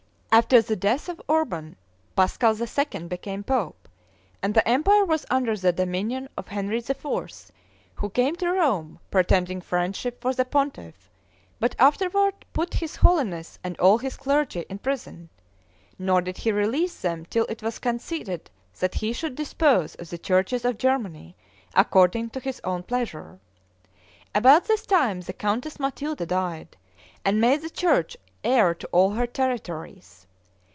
After the death of Urban, Pascal II. became pope, and the empire was under the dominion of Henry IV. who came to Rome pretending friendship for the pontiff but afterward put his holiness and all his clergy in prison; nor did he release them till it was conceded that he should dispose of the churches of Germany according to his own pleasure. About this time, the Countess Matilda died, and made the church heir to all her territories.